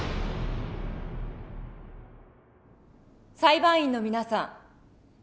裁判員の皆さん